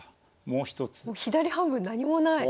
もう左半分何もない。